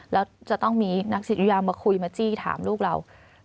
แล้วจะต้องมีนักศิรุยามาคุยมาจี้ถามลูกเรา